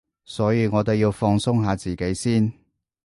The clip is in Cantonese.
所以我哋要放鬆下自己先